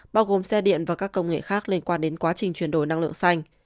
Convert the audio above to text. bao gồm xe điện và các công nghệ khác liên quan đến quá trình chuyển đổi năng lượng xanh